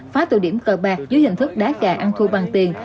phá tụ điểm cờ bạc dưới hình thức đá gà ăn thu bằng tiền